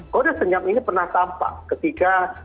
kode senyap ini pernah tampak ketika